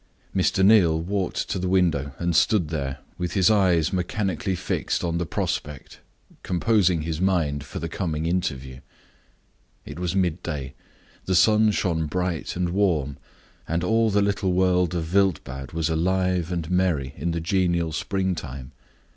Mr. Neal walked to the window, and stood there, with his eyes mechanically fixed on the prospect, composing his mind for the coming interview. It was midday; the sun shone bright and warm; and all the little world of Wildbad was alive and merry in the genial springtime.